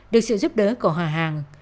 được sự giúp đỡ của hòa hàng